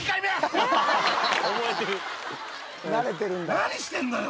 何してんのよ